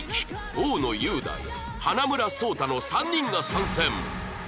大野雄大花村想太の３人が参戦